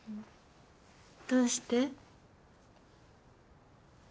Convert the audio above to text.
どうして？